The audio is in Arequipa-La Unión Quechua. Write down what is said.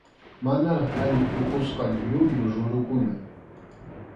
Manaraq allin puqusqa llullu rurukuna.